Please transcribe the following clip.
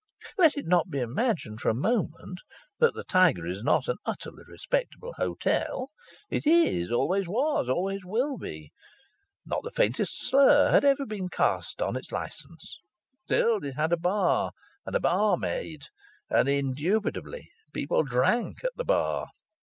Let it not be imagined for a moment that the Tiger is not an utterly respectable hotel. It is, always was, always will be. Not the faintest slur had ever been cast upon its licence. Still, it had a bar and a barmaid, and indubitably people drank at the bar.